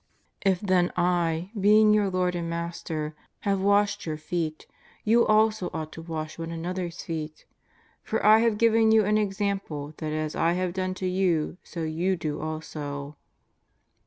If then I, being your Lord and Master, have washed your feet, you also ought to wash one another^s feet. For I have given you an oxamplo that as T have done to you, so you do also."